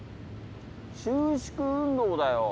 収縮運動だよ。